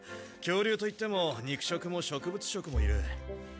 恐竜といっても肉食も植物食もいる。